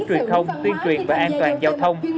truyền thông tuyên truyền và an toàn giao thông